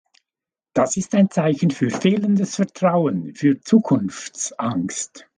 Das ist ein Zeichen für fehlendes Vertrauen, für Zukunftsangst.